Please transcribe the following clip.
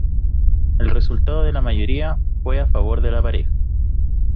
El resultado de la mayoría, fue a favor de la pareja.